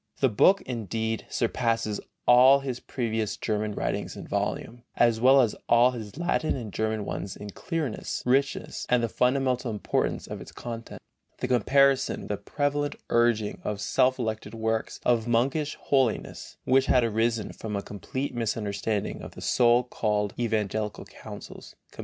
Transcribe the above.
The book, indeed, surpasses all his previous German writings in volume, as well as all his Latin and German ones in clearness, richness and the fundamental importance of its content. In comparison with the prevalent urging of self elected works of monkish holiness, which had arisen from a complete misunderstanding of the so called evangelical counsels (comp.